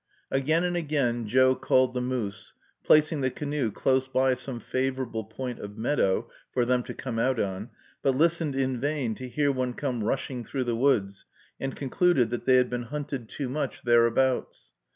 Again and again Joe called the moose, placing the canoe close by some favorable point of meadow for them to come out on, but listened in vain to hear one come rushing through the woods, and concluded that they had been hunted too much thereabouts.